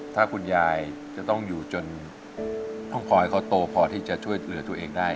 ถ้าคุณยายจะต้องอยู่จนต้องคอยเขาโตพอที่จะช่วยเหลือตัวเองได้